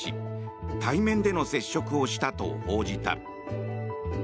対面での接触をしたと報じた。